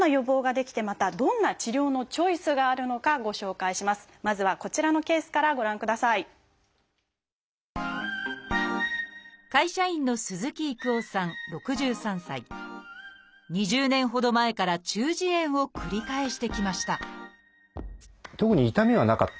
会社員の２０年ほど前から中耳炎を繰り返してきました